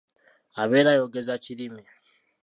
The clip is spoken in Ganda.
Abeera ayogeza kirimi.